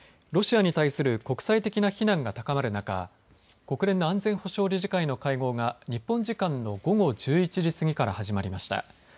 ロシアに対する国際的な非難が高まる中国連の安全保障理事会の会合が日本時間の午後１１時過ぎから始まりました。